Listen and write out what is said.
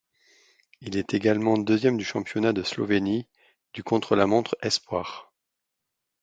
Il est également deuxième du championnat de Slovénie du contre-la-montre espoirs.